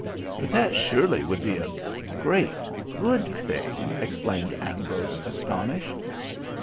"But that surely would be a great, good thing," exclaimed Ambrose, astonished.